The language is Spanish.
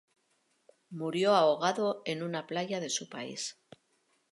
Murió ahogado en una playa de su país.